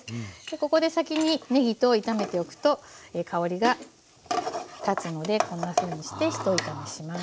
ここで先にねぎと炒めておくと香りが立つのでこんなふうにしてひと炒めします。